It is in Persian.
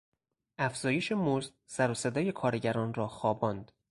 افزایش مزد سروصدای کارگران را خواباند.